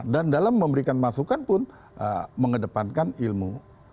dan dalam memberikan masukan pun mengedepankan ilmu